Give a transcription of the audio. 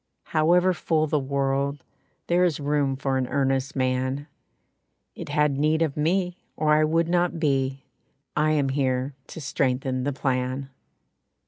However full the world There is room for an earnest man. It had need of me or I would not be, I am here to strengthen the plan."